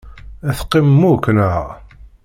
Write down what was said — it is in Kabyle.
Teqqimem akk, naɣ?